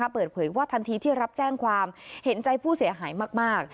เปิดเผยว่าทันทีที่รับแจ้งความเห็นใจผู้เสียหายมาก